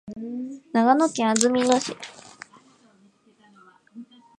長野県安曇野市